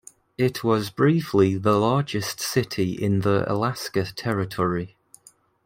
It was briefly the largest city in the Alaska Territory.